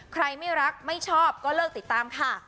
ไม่รักไม่ชอบก็เลิกติดตามค่ะ